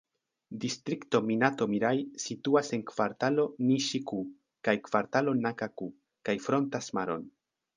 Distrikto Minato-Miraj situas en Kvartalo Niŝi-ku kaj Kvartalo Naka-ku, kaj frontas maron.